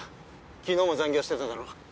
昨日も残業してただろ？